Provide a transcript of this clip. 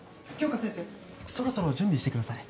杏花先生そろそろ準備してください